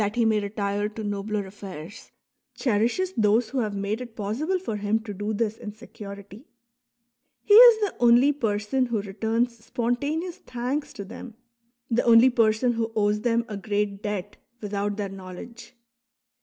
he may retire to nobler affairs,'' cherishes those who have made it possible for him to do this in security ; he is the only person who returns spontaneous thanks to them, the only person who owes them a great debt without their knowledge.